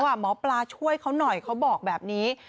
หมอปลาช่วยเขาหน่อยเขาบอกแบบนี้